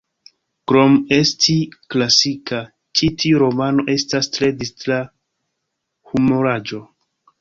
Krom esti klasika, ĉi tiu romano estas tre distra humuraĵo.